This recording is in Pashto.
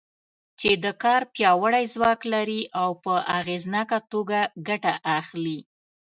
چې د کار پیاوړی ځواک لري او په اغېزناکه توګه ګټه اخلي.